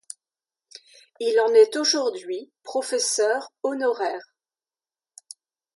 Il en est aujourd'hui professeur honoraire.